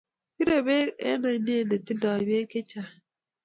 Pirey pek eng' ainet ne tindoi peek chechang' .